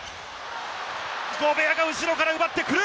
ゴベアが後ろから奪ってくる！